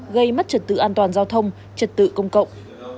gây mất trật tự an toàn giao thông trật tự công cộng